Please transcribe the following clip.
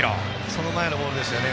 その前のボールですよね。